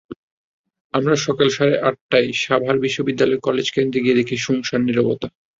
আমরা সকাল সাড়ে আটটায় সাভার বিশ্ববিদ্যালয় কলেজ কেন্দ্রে গিয়ে দেখি সুনসান নীরবতা।